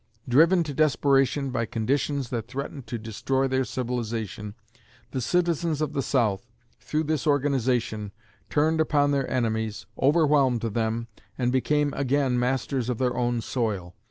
Driven to desperation by conditions that threatened to destroy their civilization, the citizens of the South, through this organization, turned upon their enemies, overwhelmed them, and became again masters of their own soil